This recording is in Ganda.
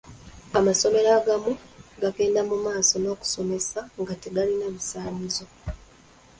Amasomero agamu gagenda mumaaso n'okusomesa nga tegalina bisaanyizo.